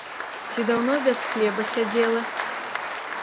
Ці даўно без хлеба сядзела?